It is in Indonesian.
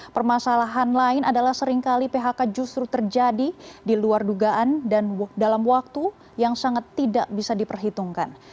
permasalahan lain adalah seringkali phk justru terjadi di luar dugaan dan dalam waktu yang sangat tidak bisa diperhitungkan